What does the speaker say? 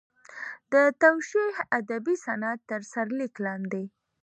د توشیح ادبي صنعت تر سرلیک لاندې.